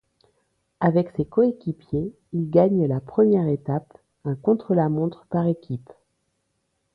Avec ses coéquipiers, il gagne la première étape, un contre-la-montre par équipes.